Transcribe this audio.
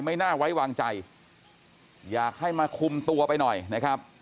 ไม่น่าไว้วางใจอยากให้มาคุมตัวไปหน่อยนะครับ